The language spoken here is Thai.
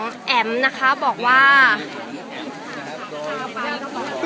มีแต่โดนล้าลาน